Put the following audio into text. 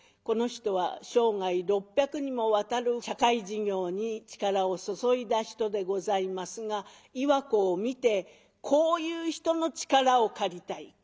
この人は生涯６００にもわたる社会事業に力を注いだ人でございますが岩子を見て「こういう人の力を借りたい。